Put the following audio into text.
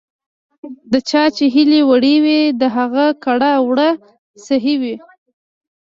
د چا چې هیلې وړې وي، د هغه کړه ـ وړه صحیح وي .